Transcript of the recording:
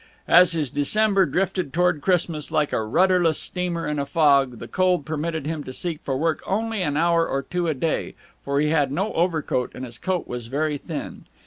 As his December drifted toward Christmas like a rudderless steamer in a fog, the cold permitted him to seek for work only an hour or two a day, for he had no overcoat and his coat was very thin.